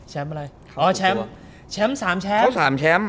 แชมป์อะไรอ่อแชมป์แชมป์สามแชมป์